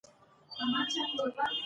اداري اصول د قانون پر بنسټ ولاړ دي.